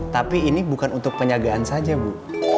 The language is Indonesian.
tapi ini bukan untuk penyagaan saja bu